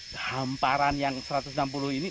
hamparan yang satu ratus enam puluh ini